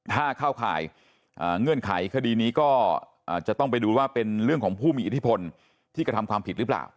ถ้าเข้าข่ายเงื่อนไขคดีนี้ก็จะต้องไปดูว่าเป็นเรื่องของผู้มีอิทธิพลที่กระทำความผิดหรือเปล่า